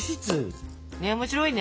ねっ面白いね。